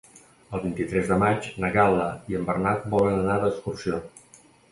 El vint-i-tres de maig na Gal·la i en Bernat volen anar d'excursió.